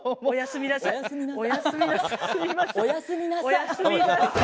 おやすみなさい。